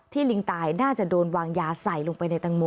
ลิงตายน่าจะโดนวางยาใส่ลงไปในตังโม